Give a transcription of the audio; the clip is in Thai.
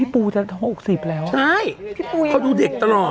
พี่ปูจะหกสิบแล้วใช่เขาดูเด็กตลอด